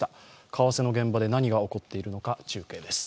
為替現場で何が起こっているか中継です。